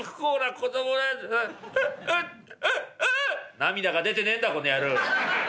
「涙が出てねえんだこの野郎」。